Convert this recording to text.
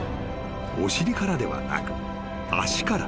［お尻からではなく足から］